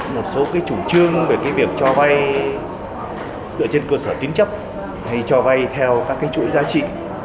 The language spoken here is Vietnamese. một số cái chủ trương về cái việc cho vay dựa trên cơ sở tín chấp hay cho vay theo các cái chuỗi giá trị